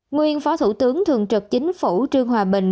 nguyên phó thủ tướng thường trực chính phủ trương hòa bình